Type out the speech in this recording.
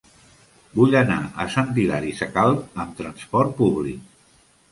Vull anar a Sant Hilari Sacalm amb trasport públic.